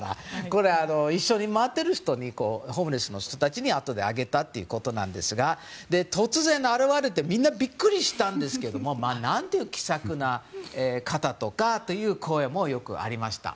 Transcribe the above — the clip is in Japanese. これは一緒に回っているホームレスの人たちにあとであげたということですが突然現れてみんなびっくりしたんですけど何という気さくな方という声もありました。